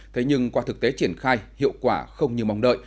thế nhưng qua thực tế triển khai hiệu quả không như mong đợi